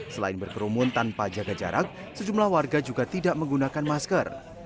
selain berkerumun tanpa jaga jarak sejumlah warga juga tidak menggunakan masker